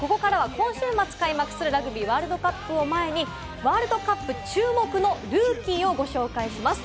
ここからは今週末開幕するラグビーワールドカップを前に、ワールドカップ注目のルーキーをご紹介します。